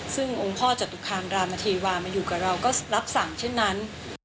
ซึ่งองค์พ่อจตุคามรามเทวามาอยู่กับเราก็รับสั่งเช่นนั้น